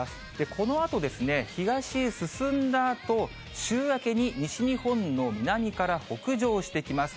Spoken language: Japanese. このあとですね、東へ進んだあと、週明けに西日本の南から北上してきます。